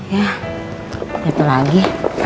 ya itu lagi